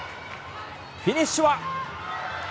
フィニッシュは。